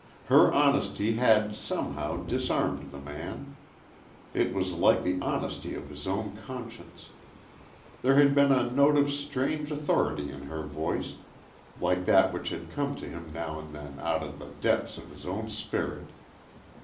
Her honesty had, somehow, disarmed the man it was like the honesty of his own conscience. There had been a note of strange authority in her voice like that which had come to him now and then out of the depths of his own spirit.